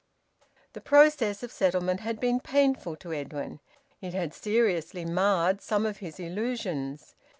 The process of settlement had been painful to Edwin; it had seriously marred some of his illusions.